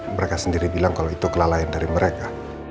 mereka sendiri bilang kalau itu kelalaian dari mereka